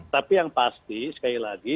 tapi yang pasti sekali lagi